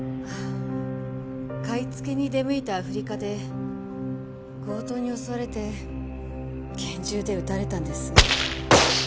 買いつけに出向いたアフリカで強盗に襲われて拳銃で撃たれたんです。